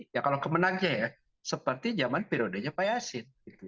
ya kalau kemenangnya ya seperti zaman periodenya pak yasin